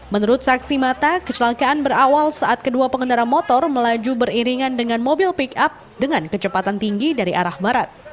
menurut saksi mata kecelakaan berawal saat kedua pengendara motor melaju beriringan dengan mobil pick up dengan kecepatan tinggi dari arah barat